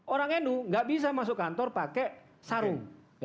orang hindu tidak bisa masuk kantor pakai sarung